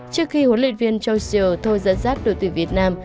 trước khi huấn luyện viên joeer thôi dẫn dắt đội tuyển việt nam